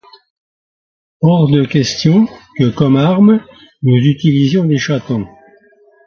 Hors de question que comme arme, nous utilisions des chatons.